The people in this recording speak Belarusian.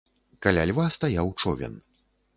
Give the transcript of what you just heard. Каля льва стаяў човен.